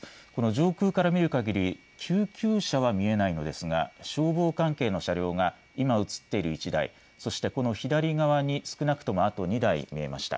上空から見るかぎり救急車は見えないのですが消防関係の車両が今映っている１台、そしてこの左側に少なくともあと２台見えました。